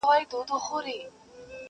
پېړۍ په ویښه د کوډګرو غومبر وزنګول!!